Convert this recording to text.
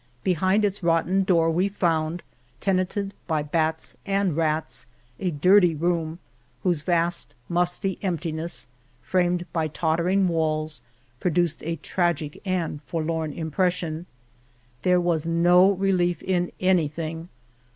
Behind its rotten door we found, tenanted by bats and rats, a dirty room whose vast, musty emptiness, framed by tottering walls, pro duced a tragic and forlorn impression. There was no relief in anything.